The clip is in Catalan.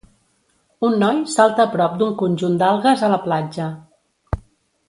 Un noi salta a prop d'un conjunt d'algues a la platja